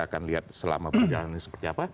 akan lihat selama perjalanan ini seperti apa